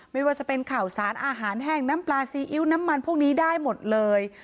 ไม่ว่าจะเป็นข่าวสารอาหารแห้งน้ำปลาซีอิ๊วน้ำมันพวกนี้ได้หมดเลย